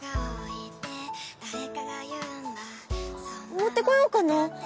持ってこよっかな。